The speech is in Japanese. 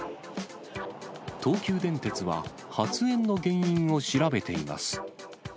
東急電鉄は、発煙の原因を調べています。